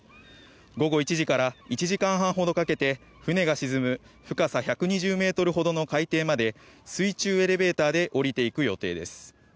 午後１時から１時間半ほどかけて船が沈む深さ１２０ｍほどの海底まで水中エレベーターで降りていく予定です。